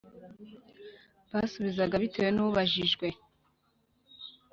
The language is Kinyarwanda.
basubizaga bitewe nubajijwe